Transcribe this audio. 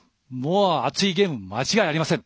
熱いゲーム、間違いありません。